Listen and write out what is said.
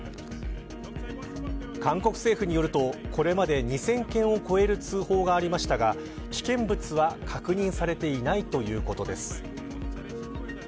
韓国政府によるとこれまでに２０００件を超える通報がありましたが危険物は確認されていないということです。